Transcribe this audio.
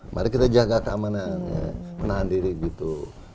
mari kita jaga keamanan menahan diri gitu